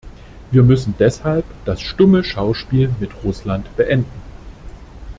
Wir müssen deshalb das stumme Schauspiel mit Russland beenden.